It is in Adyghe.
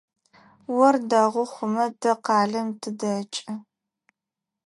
Ор дэгъу хъумэ, тэ къалэм тыдэкӏы.